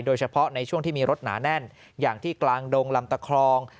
โดยเฉพาะในช่วงที่มีรถหนาแน่นอย่างที่กลางดงลำตะครอง